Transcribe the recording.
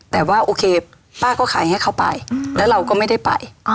แต่ว่าโอเคป้าก็ขายให้เขาไปแล้วเราก็ไม่ได้ไป